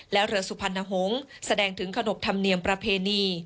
และเรือสุพรรณหงษ์แสดงถึงขนบธรรมเนียมประเพณี